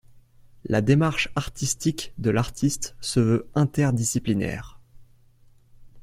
La démarche artistique de l’artiste se veut interdisciplinaire.